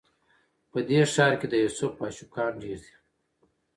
په دې ښار کي د یوسف عاشقان ډیر دي